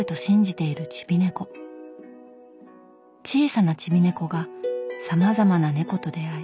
小さな「チビ猫」がさまざまな猫と出会い